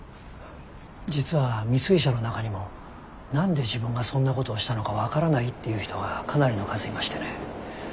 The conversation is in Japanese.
実は未遂者の中にも何で自分がそんなことをしたのか分からないっていう人がかなりの数いましてね。